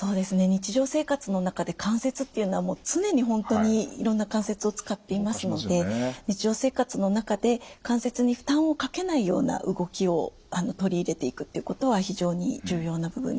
日常生活の中で関節っていうのはもう常に本当にいろんな関節を使っていますので日常生活の中で関節に負担をかけないような動きを取り入れていくっていうことは非常に重要な部分になります。